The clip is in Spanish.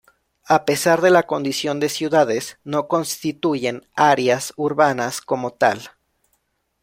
A pesar de la condición de ciudades, no constituyen áreas urbanas como tal.